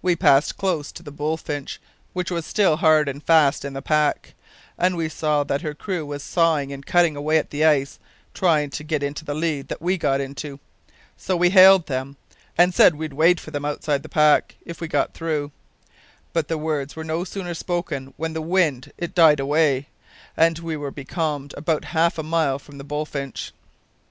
We passed close to the Bullfinch, which was still hard and fast in the pack, and we saw that her crew were sawin' and cuttin' away at the ice, tryin' to get into the lead that we'd got into. So we hailed them, and said we would wait for 'em outside the pack, if we got through. But the words were no sooner spoken, when the wind it died away, and we were becalmed about half a mile from the Bullfinch.